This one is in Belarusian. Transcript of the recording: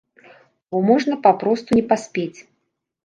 Бо можна папросту не паспець.